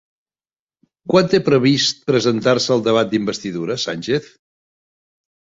Quan té previst presentar-se al debat d'investidura Sánchez?